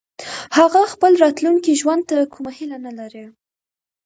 هغه خپل راتلونکي ژوند ته کومه هيله نه لري